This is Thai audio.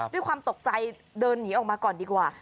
ด้วยความตกใจเดินหนีออกมาก่อนดีกว่า